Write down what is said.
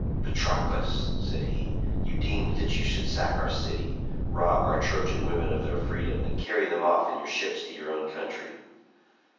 "Patroclus," said he, "you deemed that you should sack our city, rob our Trojan women of their freedom, and carry them off in your ships to your own country.